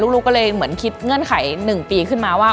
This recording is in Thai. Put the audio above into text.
ลูกก็เลยเหมือนคิดเงื่อนไข๑ปีขึ้นมาว่า